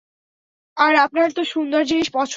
আর আপনার তো সুন্দর জিনিস পছন্দ।